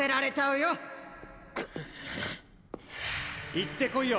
行ってこいよ！